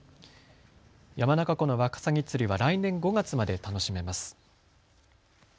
山中湖のワカサギ釣りは来年５月まで楽しめます。